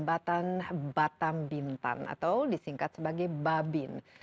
satunya adalah pembangunan jembatan batam bintan atau disingkat sebagai babin